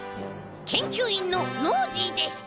けんきゅういんのノージーです。